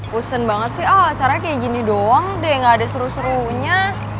pusen banget sih oh acaranya kayak gini doang deh gak ada seru serunya